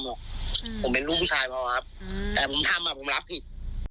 บอกผมเป็นลูกผู้ชายพอครับแต่ผมทำอ่ะผมรับผิด